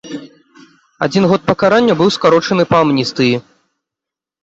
Адзін год пакарання быў скарочаны па амністыі.